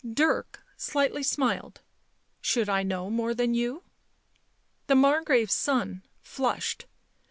Dirk slightly smiled. " Should I know more than you?" The Margrave's son flushed.